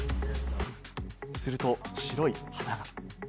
すると白い鼻が。